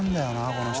この人。